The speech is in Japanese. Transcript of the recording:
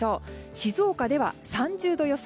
静岡では３０度予想。